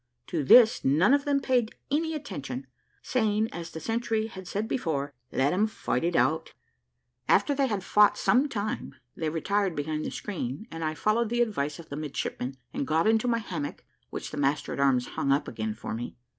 To this, none of them paid any attention, saying, as the sentry had said before, "Let them fight it out." After they had fought some time, they retired behind the screen, and I followed the advice of the midshipman, and got into my hammock, which the master at arms hung up again for me.